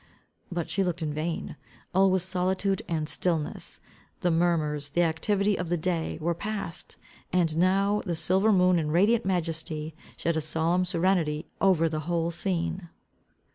But she looked in vain. All was solitude and stilness. The murmurs, the activity of the day were past. And now, the silver moon in radiant majesty shed a solemn serenity ever the whole scene.